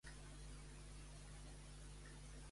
I què fa Russell, el nen?